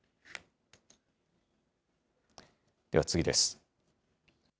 では次です。